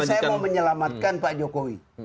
saya mau menyelamatkan pak jokowi